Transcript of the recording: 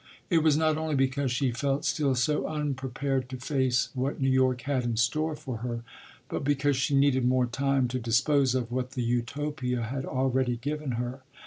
It was not only because she felt still so unprepared to face what New York had in store for her, but because she needed more time to dispose of what the Utopia had already given her.